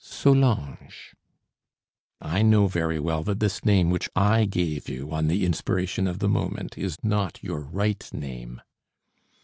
"Solange." "I know very well that this name, which I gave you on the inspiration of the moment, is not your right name."